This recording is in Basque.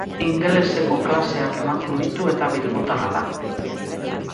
Ingeleseko klaseak ematen ditu eta bilbotarra da.